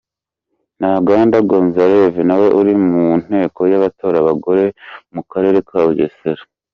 Ntaganda Gonzarve nawe uri mu nteko y’abatora abagore mu karere ka Bugesera.